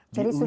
oh jadi sudah